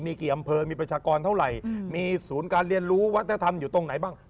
มีกี่อำเภอมีประชากรเท่าไหร่มีศูนย์การเรียนรู้วัฒนธรรมอยู่ตรงไหนบ้าง